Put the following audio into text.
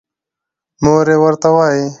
مور يې ورته وايې